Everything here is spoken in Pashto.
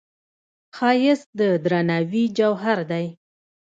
ښایست د درناوي جوهر دی